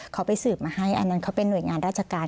เขาไปสืบมาให้อันนั้นเขาเป็นห่วยงานราชการ